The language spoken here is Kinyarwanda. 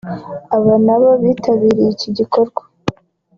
aba nabo bitabiriye iki gikorwa